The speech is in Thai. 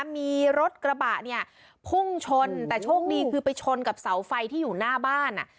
มีรถกระบะเนี่ยพุ่งชนแต่โชคดีคือไปชนกับเสาไฟที่อยู่หน้าบ้านอ่ะ